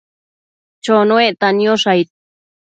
Chonuecta niosh aid ?